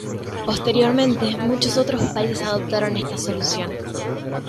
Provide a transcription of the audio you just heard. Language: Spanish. Posteriormente muchos otros países adoptaron esta solución.